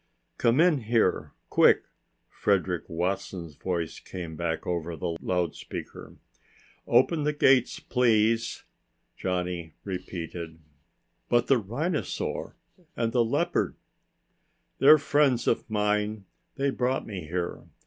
"Come in here quick," Frederick Watson's voice came back over the loudspeaker. "Open the gates, please," Johnny repeated. "But the rhinosaur! And the leopard!" "They're friends of mine. They brought me here.